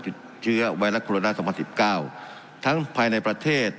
หยุดเชื้อไวรัคโครโรนาสองพันสิบเก้าทั้งภายในประเทศ